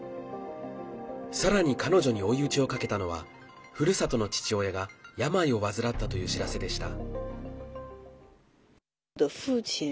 さらに彼女に追い打ちをかけたのはふるさとの父親が病を患ったという知らせでした。